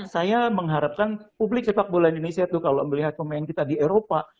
saya mengharapkan publik sepak bola indonesia tuh kalau melihat pemain kita di eropa